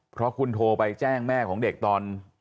เพราะคุณโทรไปแจ้งแม่ของเด็กตอน